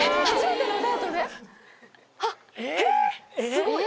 すごい。